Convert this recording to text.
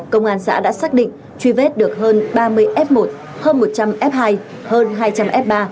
công an xã đã xác định truy vết được hơn ba mươi f một hơn một trăm linh f hai hơn hai trăm linh f ba